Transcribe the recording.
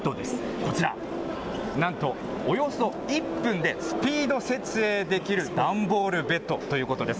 こちら、なんとおよそ１分でスピード設営できる段ボールベッドということです。